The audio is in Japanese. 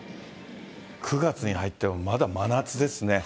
９月に入ってもまだ真夏ですね。